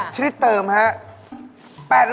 ชนิดเติมครับ